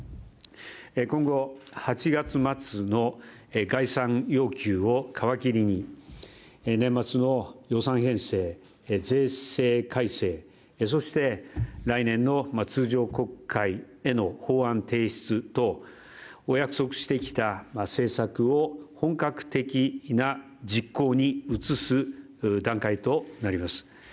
今後、８月末の概算要求を皮切りに、年末の予算編成税制改正、そして来年の通常国会への法案提出等、お約束してきた政策を本格的な実行に移す段階となります。